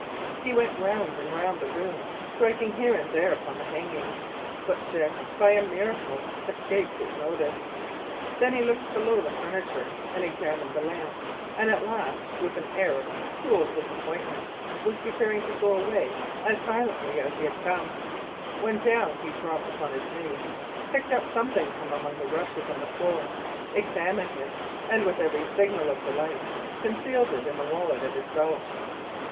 He went round and round the room, striking here and there upon the hangings; but Dick, by a miracle, escaped his notice. Then he looked below the furniture, and examined the lamp; and, at last, with an air of cruel disappointment, was preparing to go away as silently as he had come, when down he dropped upon his knees, picked up something from among the rushes on the floor, examined it, and, with every signal of delight, concealed it in the wallet at his belt.